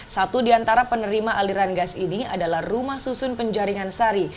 satu di antara penerima aliran gas ini adalah rumah susun penjaringan sari